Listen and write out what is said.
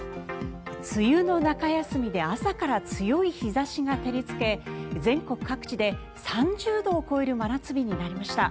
梅雨の中休みで朝から強い日差しが照りつけ全国各地で３０度を超える真夏日になりました。